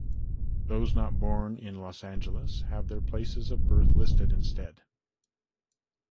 Those not born in Los Angeles have their places of birth listed instead.